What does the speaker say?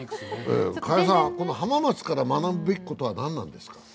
この浜松から学ぶべきことは何なんですか？